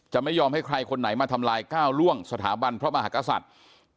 ไม่ยอมให้ใครคนไหนมาทำลายก้าวล่วงสถาบันพระมหากษัตริย์